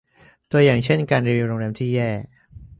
ตัวอย่างเช่น การรีวิวโรงแรมที่แย่